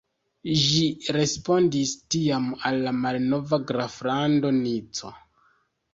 Ĝi respondis tiam al la malnova graflando Nico.